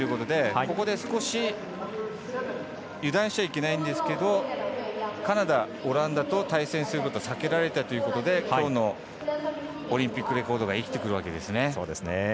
ここで少し油断しちゃいけないんですけどカナダ、オランダと対戦することは避けられたということできょうのオリンピックレコードが生きてくるわけですね。